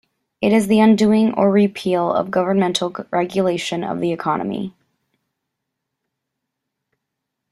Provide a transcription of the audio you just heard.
It is the undoing or repeal of governmental regulation of the economy.